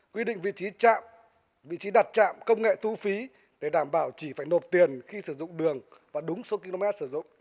quy định vị trí đặt chạm công nghệ thu phí để đảm bảo chỉ phải nộp tiền khi sử dụng đường và đúng số km sử dụng